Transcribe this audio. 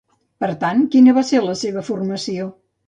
Per tant, quina va ser la seva formació?